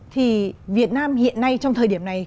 thì việt nam hiện nay trong thời điểm này